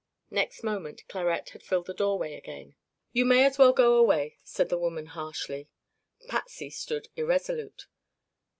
Next moment Clarette had filled the doorway again. "You may as well go away," said the woman harshly. Patsy stood irresolute.